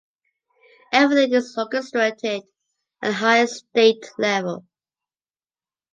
Everything is orchestrated at the highest state level.